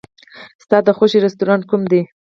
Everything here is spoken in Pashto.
ستا د خوښې رستورانت کوم دی؟